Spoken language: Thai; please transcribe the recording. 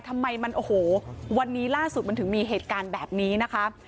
ทำไมมันโอ้โหวันนี้ล่าสุดมันถึงมีเหตุการณ์แบบนี้นะคะ